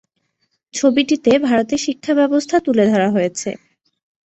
ছবিটিতে ভারতের শিক্ষাব্যবস্থা তুলে ধরা হয়েছে।